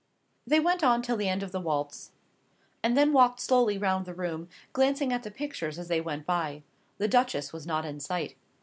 They went on till the end of the waltz, and then walked slowly round the room, glancing at the pictures as they went by. The Duchess was not in sight.